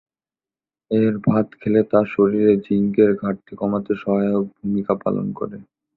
এর ভাত খেলে তা শরীরে জিংকের ঘাটতি কমাতে সহায়ক ভূমিকা পালন করে।